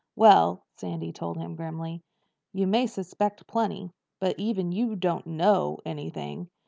"Well," Sandy told him grimly, "you may suspect plenty. But even you don't know anything."